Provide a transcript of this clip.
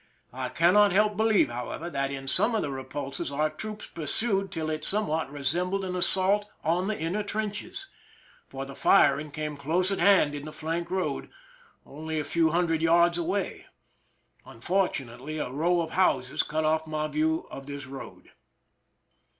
I cannot help believe, however, that in some of the repulses our troops pursued till it somewhat resembled an as sault on the inner trenches, for the firing came close at hand in the flank road, only a few hundred yards away. Unfortunately, a row of houses cut off my view of this road.